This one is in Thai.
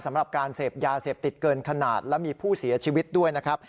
สำหรับการเสพยาเสพติดเกินขนาดและมีผู้เสียชีวิตด้วยนะครับ